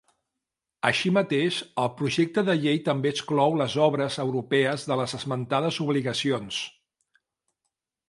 Així mateix, el projecte de llei també exclou les obres europees de les esmentades obligacions.